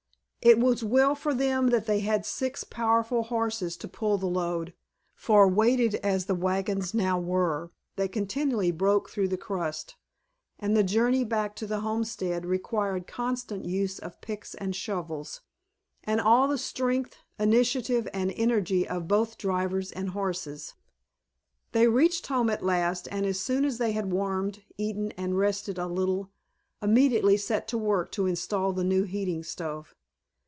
It was well for them that they had six powerful horses to pull the load, for weighted as the wagons now were they continually broke through the crust, and the journey back to the homestead required constant use of picks and shovels, and all the strength, initiative, and energy of both drivers and horses. They reached home at last, and as soon as they had warmed, eaten, and rested a little immediately set to work to install the new heating stove.